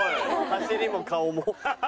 走りも顔も。